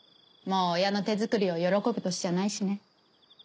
もう親の手作りを喜ぶ年じゃないしね。